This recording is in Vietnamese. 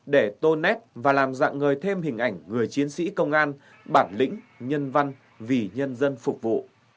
để tô nét và làm dạng ngời thêm hình ảnh người chiến sĩ công an bản lĩnh nhân văn vì nhân dân phục vụ